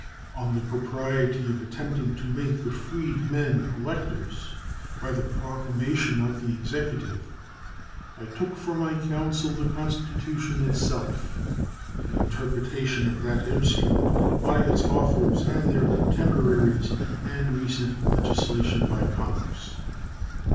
On the propriety of attempting to make the freedmen electors by the proclamation of the Executive I took for my counsel the Constitution itself, the interpretations of that instrument by its authors and their contemporaries, and recent legislation by Congress.